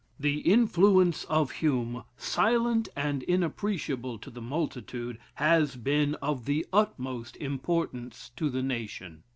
The influence of Hume, silent and inappreciable to the multitude, has been of the utmost importance to the nation.